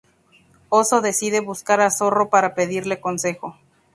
Oso decide buscar a Zorro para pedirle consejo.